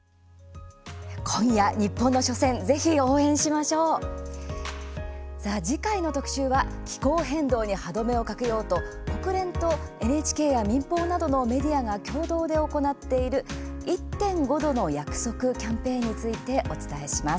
今夜日本の初戦ぜひ応援し次回の特集は気候変動に歯止めをかけようと国連とＮＨＫや民放などのメディアが共同で行っている「１．５℃の約束」キャンペーンについてお伝えします。